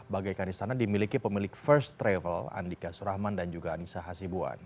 bagaikan di sana dimiliki pemilik first travel andika surahman dan juga anissa hasibuan